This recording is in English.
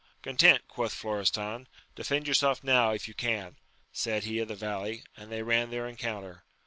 Content, quoth Florestan. Defend yourself now, if you can ! said he of the valley; and they ran their encounter.